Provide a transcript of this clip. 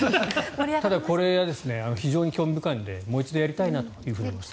ただ、これは非常に興味深いのでもう一度やりたいなと思います。